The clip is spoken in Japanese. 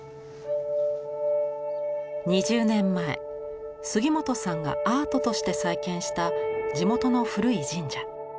２０年前杉本さんがアートとして再建した地元の古い神社。